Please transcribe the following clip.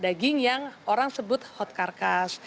daging yang orang sebut hot carcass